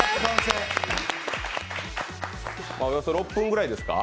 およそ６分ぐらいですか？